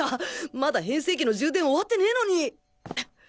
まだ変声機の充電終わってねぇのに